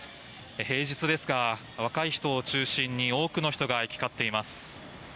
平日ですが若い人を中心に多くの人が行き交っています。